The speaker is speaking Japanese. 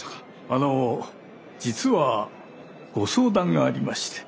あの実はご相談がありまして。